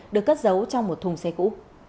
được cất giấu trong một thùng xe cũ